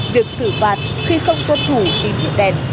việc xử phạt khi không tuân thủ tín hiệu đèn